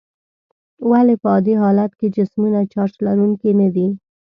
ولې په عادي حالت کې جسمونه چارج لرونکي ندي؟